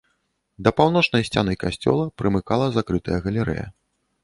Да паўночнай сцяны касцёла прымыкала закрытая галерэя.